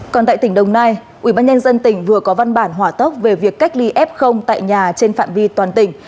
còn tại tỉnh đồng nai ủy ban nhân dân tỉnh vừa có văn bản hỏa tốc về việc cách ly f tại nhà trên phạm vi toàn tỉnh